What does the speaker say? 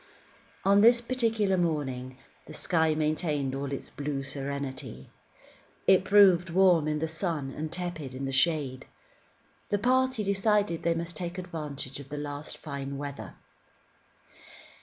On this particular morning, the sky maintained all its blue serenity. It proved warm in the sun and tepid in the shade. The party decided that they must take advantage of the last fine weather.